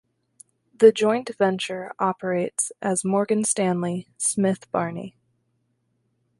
The joint venture operates as Morgan Stanley Smith Barney.